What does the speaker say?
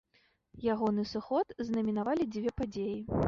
Ягоны сыход знаменавалі дзве падзеі.